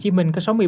hiện tp hcm có